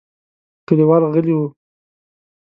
کليوال غلي وو.